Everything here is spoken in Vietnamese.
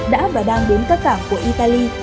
đã và đang đến các cảng của italy